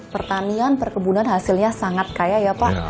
pertanian perkebunan hasilnya sangat kaya ya pak